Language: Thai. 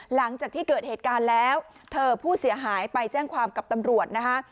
หลังจากที่เกิดเหตุการณ์แล้วเธอผู้เสียหายไปแจ้งความกับตำรวจนะคะ